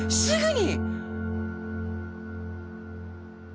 すぐに！